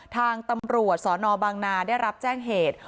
ทางตำรวจสนบางนาได้รับแจ้งเหตุ